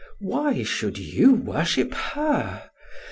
Why should you worship her?